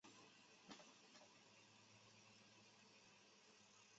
鸟井坂面影堂魔法使魔法指环